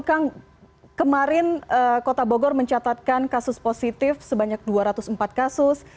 kang kemarin kota bogor mencatatkan kasus positif sebanyak dua ratus empat kasus